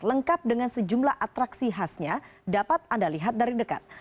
lengkap dengan sejumlah atraksi khasnya dapat anda lihat dari dekat